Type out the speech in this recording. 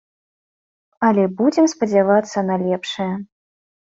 Але будзем спадзявацца на лепшае.